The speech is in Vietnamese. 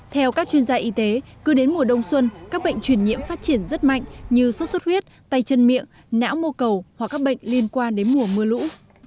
theo các chuyên gia y tế cứ đến mùa đông xuân các bệnh truyền nhiễm phát triển rất mạnh như sốt xuất huyết tay chân miệng não mô cầu hoặc các bệnh liên quan đến mùa mưa lũ